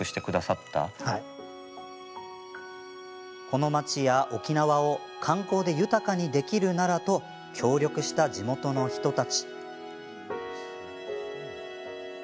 この町や沖縄を観光で豊かにできるならと協力した地元の人たち。